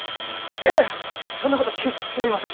いやそんなことは決してありません。